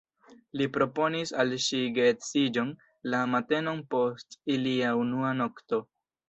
Li proponis al ŝi geedziĝon la matenon post ilia unua nokto.